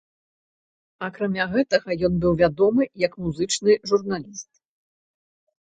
Акрамя гэтага, ён быў вядомы як музычны журналіст.